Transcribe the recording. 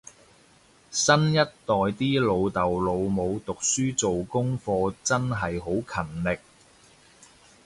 新一代啲老豆老母讀書做功課真係好勤力